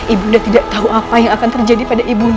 ibu ndak tidak tahu apa yang akan terjadi pada ibu ndak